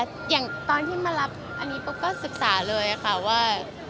ก็ศึกษานะคะอย่างตอนที่มารับอันนี้ก็ศึกษาเลยค่ะว่า